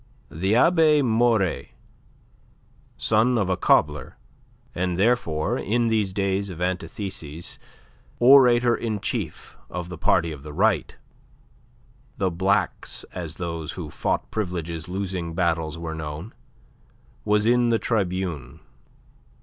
The Abbe Maury, son of a cobbler, and therefore in these days of antitheses orator in chief of the party of the Right the Blacks, as those who fought Privilege's losing battles were known was in the tribune.